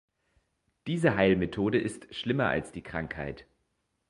Diese Heilmethode ist schlimmer als die Krankheit.